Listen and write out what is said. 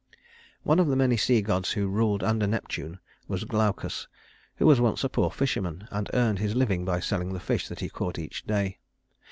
III One of the many sea gods who ruled under Neptune was Glaucus, who was once a poor fisherman, and earned his living by selling the fish that he caught each day.